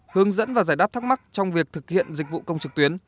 hướng dẫn và giải đáp thắc mắc trong việc thực hiện dịch vụ công trực tuyến